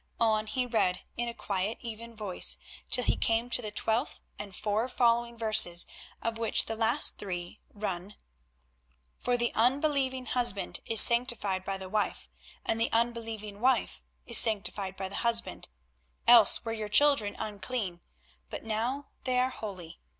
On he read, in a quiet even voice, till he came to the twelfth and four following verses, of which the last three run: "For the unbelieving husband is sanctified by the wife, and the unbelieving wife is sanctified by the husband: else were your children unclean; but now they are holy.